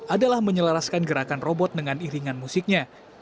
adalah menyelaraskan gerakan robot dengan iringan musiknya